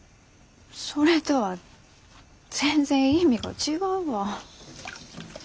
それとは全然意味が違うわ。